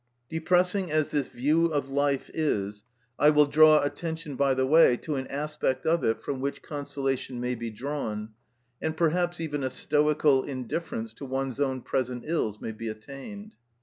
Depressing as this view of life is, I will draw attention, by the way, to an aspect of it from which consolation may be drawn, and perhaps even a stoical indifference to one's own present ills may be attained.